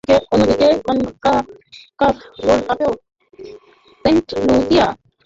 অন্যদিকে, CONCACAF gold কাপেও Saint Lucia এপর্যন্ত একবারও অংশগ্রহণ করতে সক্ষম হয়নি।